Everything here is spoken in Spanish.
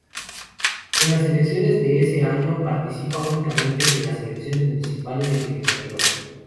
En las elecciones de ese año participa únicamente en las elecciones municipales y legislativas.